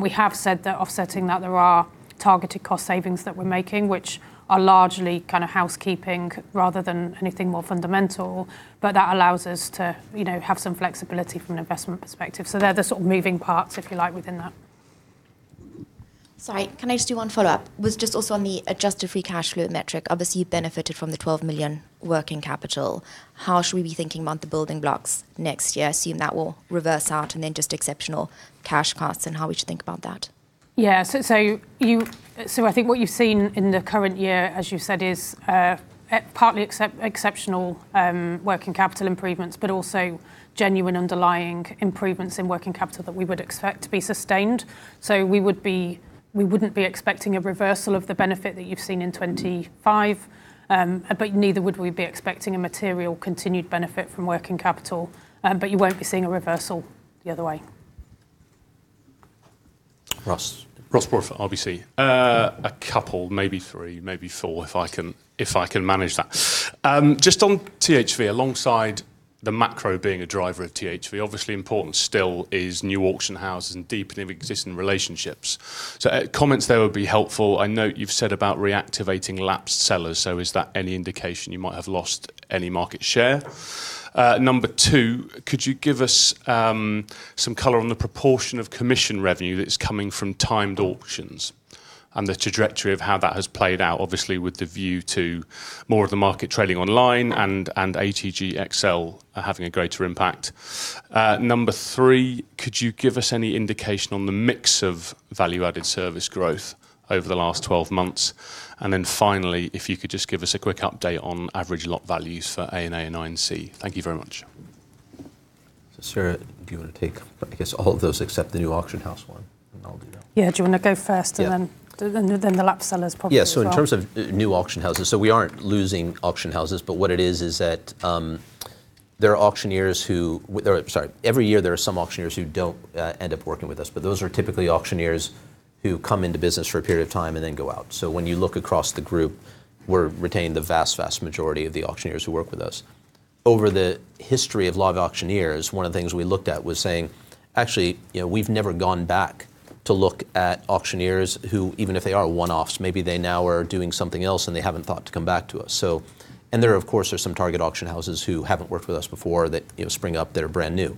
We have said that offsetting that, there are targeted cost savings that we're making, which are largely kind of housekeeping rather than anything more fundamental, but that allows us to have some flexibility from an investment perspective. They're the sort of moving parts, if you like, within that. Sorry, can I just do one follow-up? Was just also on the adjusted free cash flow metric, obviously you've benefited from the $12 million working capital. How should we be thinking about the building blocks next year? Assume that will reverse out and then just exceptional cash costs and how we should think about that. Yeah, I think what you've seen in the current year, as you've said, is partly exceptional working capital improvements, but also genuine underlying improvements in working capital that we would expect to be sustained. We wouldn't be expecting a reversal of the benefit that you've seen in 2025, but neither would we be expecting a material continued benefit from working capital, but you won't be seeing a reversal the other way. Ross. Ross Broadfoot, RBC. A couple, maybe three, maybe four, if I can manage that. Just on THV, alongside the macro being a driver of THV, obviously important still is new auction houses and deepening existing relationships. Comments there would be helpful. I note you've said about reactivating lapsed sellers, so is that any indication you might have lost any market share? Number two, could you give us some color on the proportion of commission revenue that's coming from timed auctions and the trajectory of how that has played out, obviously with the view to more of the market trading online and ATG Excel having a greater impact? Number three, could you give us any indication on the mix of value-added service growth over the last 12 months? Finally, if you could just give us a quick update on average lot values for A&A and I&C. Thank you very much. Sarah, do you want to take, I guess, all of those except the new auction house one? I'll do that. Do you want to go first and then the lap sellers probably? In terms of new auction houses, we aren't losing auction houses, but what it is is that there are auctioneers who, sorry, every year there are some auctioneers who don't end up working with us, but those are typically auctioneers who come into business for a period of time and then go out. When you look across the group, we're retaining the vast, vast majority of the auctioneers who work with us. Over the history of LiveAuctioneers, one of the things we looked at was saying, actually, we've never gone back to look at auctioneers who, even if they are one-offs, maybe they now are doing something else and they haven't thought to come back to us. There, of course, are some target auction houses who haven't worked with us before that spring up that are brand new.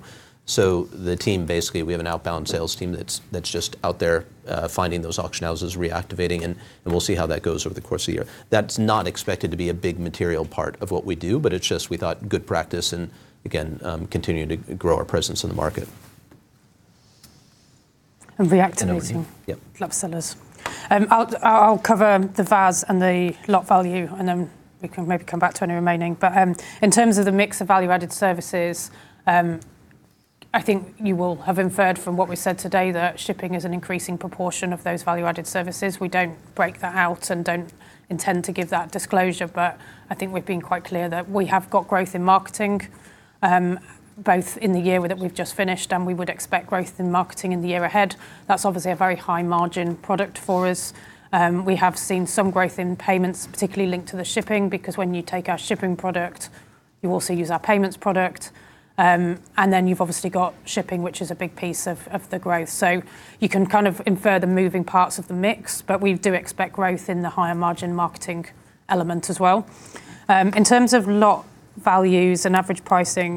The team, basically, we have an outbound sales team that's just out there finding those auction houses, reactivating, and we'll see how that goes over the course of the year. That's not expected to be a big material part of what we do, but it's just we thought good practice and, again, continuing to grow our presence in the market. Reactivating. Yeah. Lap sellers. I'll cover the VAS and the lot value, and then we can maybe come back to any remaining. In terms of the mix of value-added services, I think you will have inferred from what we said today that shipping is an increasing proportion of those value-added services. We do not break that out and do not intend to give that disclosure, but I think we have been quite clear that we have got growth in marketing, both in the year that we have just finished, and we would expect growth in marketing in the year ahead. That is obviously a very high margin product for us. We have seen some growth in payments, particularly linked to the shipping, because when you take our shipping product, you also use our payments product. You have obviously got shipping, which is a big piece of the growth. You can kind of infer the moving parts of the mix, but we do expect growth in the higher margin marketing element as well. In terms of lot values and average pricing,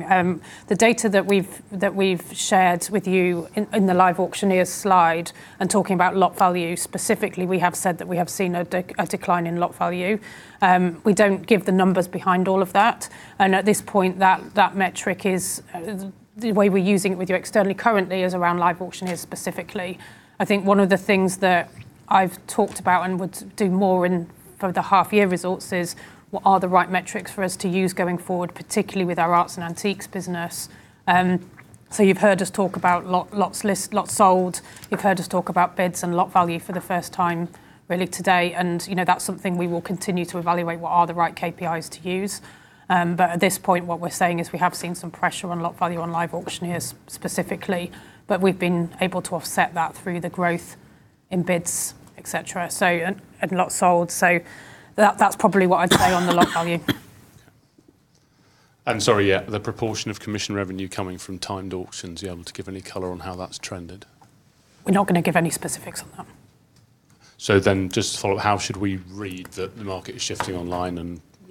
the data that we've shared with you in the LiveAuctioneers slide and talking about lot value specifically, we have said that we have seen a decline in lot value. We don't give the numbers behind all of that. At this point, that metric is the way we're using it with you externally currently is around LiveAuctioneers specifically. I think one of the things that I've talked about and would do more in for the half-year results is what are the right metrics for us to use going forward, particularly with our arts and antiques business. You've heard us talk about lots sold. You've heard us talk about bids and lot value for the first time really today. That is something we will continue to evaluate, what are the right KPIs to use. At this point, what we're saying is we have seen some pressure on lot value on LiveAuctioneers specifically, but we've been able to offset that through the growth in bids, etc., and lots sold. That is probably what I'd say on the lot value. Sorry, the proportion of commission revenue coming from timed auctions, are you able to give any color on how that's trended? We're not going to give any specifics on that. Just to follow up, how should we read that the market is shifting online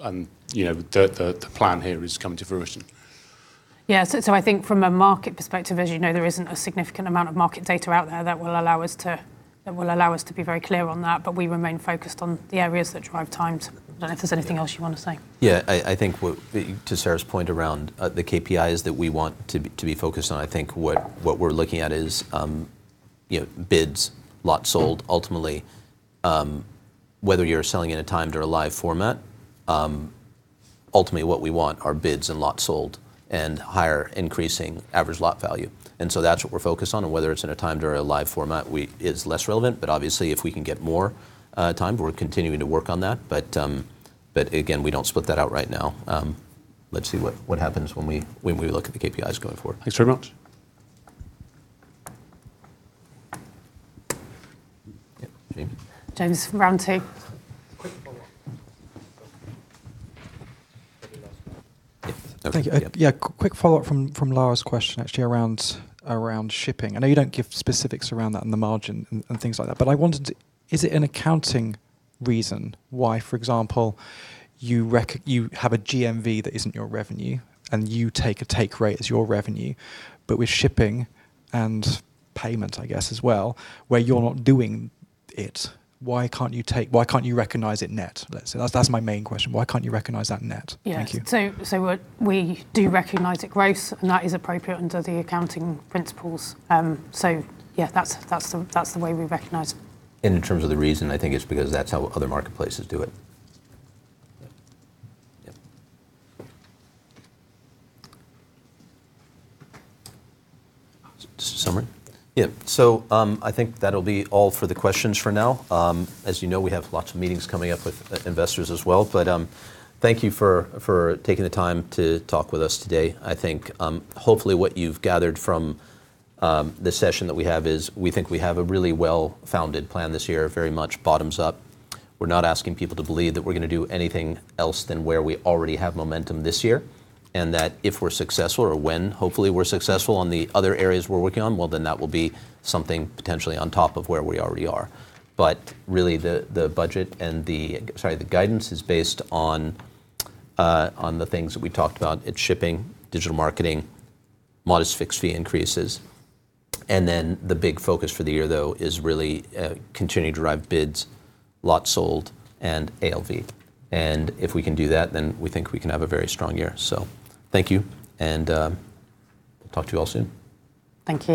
and the plan here is coming to fruition? Yeah, so I think from a market perspective, as you know, there isn't a significant amount of market data out there that will allow us to be very clear on that, but we remain focused on the areas that drive timed. I don't know if there's anything else you want to say. Yeah, I think to Sarah's point around the KPIs that we want to be focused on, I think what we're looking at is bids, lots sold. Ultimately, whether you're selling in a timed or a live format, ultimately what we want are bids and lots sold and higher increasing average lot value. That's what we're focused on. Whether it's in a timed or a live format is less relevant, but obviously if we can get more timed, we're continuing to work on that. Again, we don't split that out right now. Let's see what happens when we look at the KPIs going forward. Thanks very much. James. James, round two. Quick follow-up. Thank you. Yeah, quick follow-up from Lara's question actually around shipping. I know you don't give specifics around that and the margin and things like that, but I wanted to, is it an accounting reason why, for example, you have a GMV that isn't your revenue and you take a take rate as your revenue, but with shipping and payment, I guess, as well, where you're not doing it? Why can't you recognise it net? That's my main question. Why can't you recognise that net? Thank you. Yeah, so we do recognise it gross, and that is appropriate under the accounting principles. Yeah, that's the way we recognise. In terms of the reason, I think it's because that's how other marketplaces do it. Summary? Yeah, so I think that'll be all for the questions for now. As you know, we have lots of meetings coming up with investors as well, but thank you for taking the time to talk with us today. I think hopefully what you've gathered from the session that we have is we think we have a really well-founded plan this year, very much bottoms up. We're not asking people to believe that we're going to do anything else than where we already have momentum this year and that if we're successful or when hopefully we're successful on the other areas we're working on, that will be something potentially on top of where we already are. Really the budget and the guidance is based on the things that we talked about at shipping, digital marketing, modest fixed fee increases. The big focus for the year though is really continuing to drive bids, lots sold, and ALV. If we can do that, then we think we can have a very strong year. Thank you, and we'll talk to you all soon. Thank you.